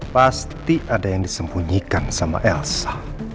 pasti ada yang disembunyikan sama elsa